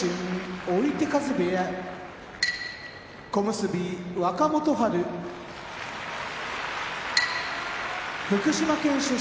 追手風部屋小結・若元春福島県出身